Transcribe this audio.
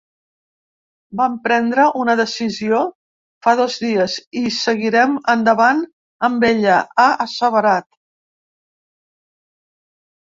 “Vam prendre una decisió fa dos dies i seguirem endavant amb ella”, ha asseverat.